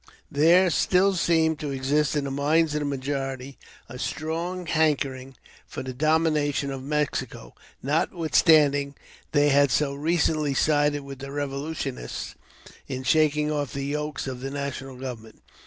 There still seemed to exist in the minds of the majority a strong hankering for the domination of Mexico, notw^ithstanding they had so recently sided with the Eevolutionists in shaking off the yoke of the national government.